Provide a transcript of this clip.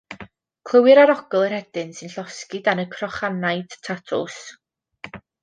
Clywir arogl y rhedyn sy'n llosgi dan y crochanaid tatws.